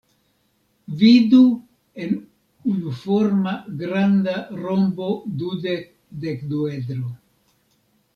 Vidu en unuforma granda rombo-dudek-dekduedro.